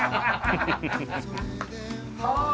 ああ！